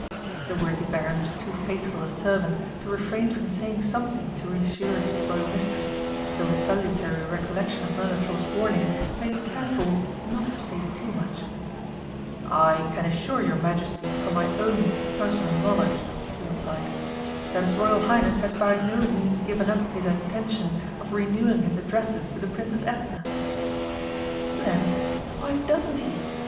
The worthy Baron was too faithful a servant to refrain from saying something to reassure his Royal mistress, though a salutary recollection of Mirliflor's warning made him careful not to say too much. "I can assure your Majesty from my own personal knowledge," he replied, "that his Royal Highness has by no means given up his intention of renewing his addresses to the Princess Edna." "Then why doesn't he?